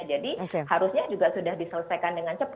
jadi harusnya juga sudah diselesaikan dengan cepat